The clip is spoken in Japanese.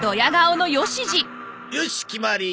よし決まり。